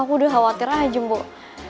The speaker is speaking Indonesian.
aku udah khawatir aja bu